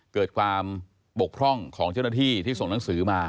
เกิดความบกพร่องของเจ้าหน้าที่ที่ส่งหนังสือมา